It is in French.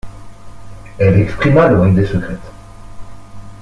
Elle exprima leur idée secrète.